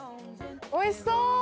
おいしそう！